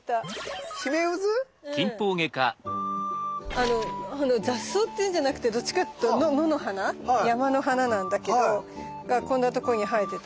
あの雑草っていうんじゃなくてどっちかっていうと野の花山の花なんだけどこんな所に生えてた。